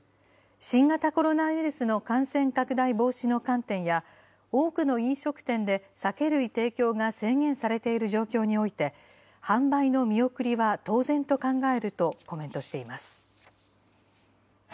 新型コロナウイルスの感染拡大防止の観点や、多くの飲食店で酒類提供が制限されている状況において、販売の見送りは当然と考えるとコメントしています。